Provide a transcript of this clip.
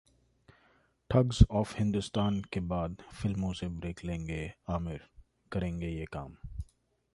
thugs of Hindustan के बाद फिल्मों से ब्रेक लेंगे आमिर, करेंगे ये काम